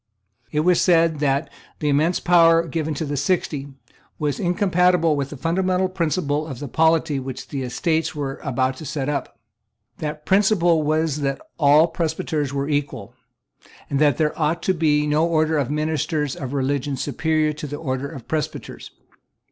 It was said that the immense power given to the Sixty was incompatible with the fundamental principle of the polity which the Estates were about to set up. That principle was that all presbyters were equal, and that there ought to be no order of ministers of religion superior to the order of presbyters.